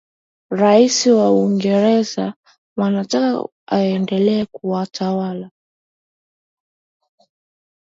raia wa uingerza wanataka aendelee kutawala